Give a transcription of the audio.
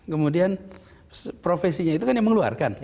kemudian profesinya itu kan yang mengeluarkan